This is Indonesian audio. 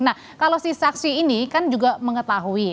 nah kalau si saksi ini kan juga mengetahui